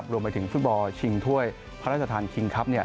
รวมไปถึงฟุตบอลชิงถ้วยพระราชทานคิงครับ